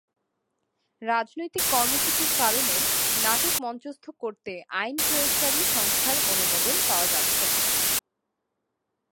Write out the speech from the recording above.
রাজনৈতিক কর্মসূচির কারণে নাটক মঞ্চস্থ করতে আইনপ্রয়োগকারী সংস্থার অনুমোদন পাওয়া যাচ্ছে না।